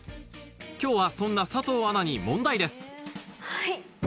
今日はそんな佐藤アナに問題ですはい。